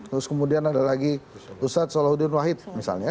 terus kemudian ada lagi ustaz salahuddin wahid misalnya